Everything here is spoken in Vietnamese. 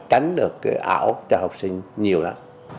tránh được cái ảo cho học sinh nhiều lắm